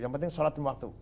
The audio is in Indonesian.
yang penting sholat tim waktu